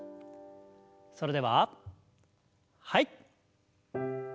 それでははい。